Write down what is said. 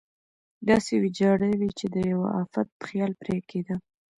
داسې ویجاړې وې چې د یوه افت خیال پرې کېده.